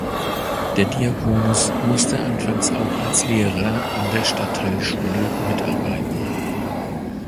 Der Diakonus musste anfangs auch als Lehrer an der Stadtschule mitarbeiten.